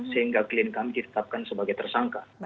sehingga klien kami ditetapkan sebagai tersangka